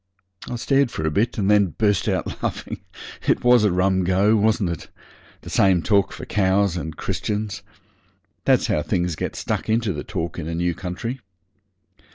I stared for a bit, and then burst out laughing. It was a rum go, wasn't it? The same talk for cows and Christians. That's how things get stuck into the talk in a new country.